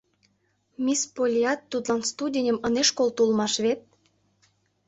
— Мисс Поллиат тудлан студеньым ынеж колто улмаш вет?